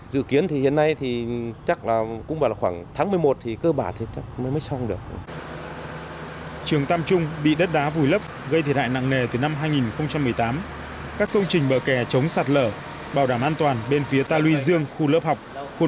dự kiến thì hiện nay thì chắc là cũng vào khoảng tháng một mươi một thì cơ bản thì chắc mới xong được